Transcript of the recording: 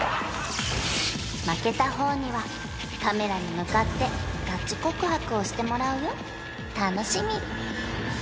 負けた方にはカメラに向かってガチ告白をしてもらうよ楽しみ！